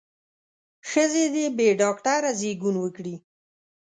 ښځې دې بې ډاکتره زېږون وکړي.